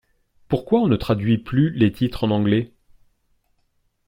Pourquoi on ne traduit plus les titres en anglais?!